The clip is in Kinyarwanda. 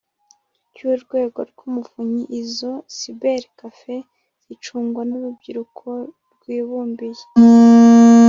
Cy urwego rw umuvunyi izo cyber caf s zicungwa n urubyiruko rwibumbiye